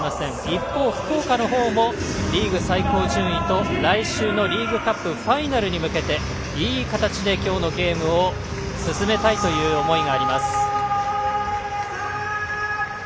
一方、福岡の方もリーグ最高順位と来週のリーグカップファイナルに向けていい形で今日のゲームを進めたいという思いがあります。